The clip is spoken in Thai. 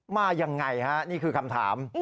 มายังไงฮะนี่คือคำถาม